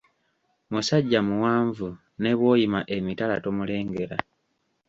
Musajja muwanvu ne bw'oyima emitala tomulengera.